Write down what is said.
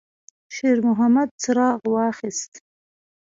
شېرمحمد څراغ واخیست.